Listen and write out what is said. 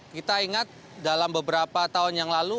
kita ingat dalam beberapa tahun yang lalu